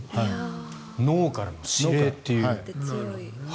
脳からの指令という。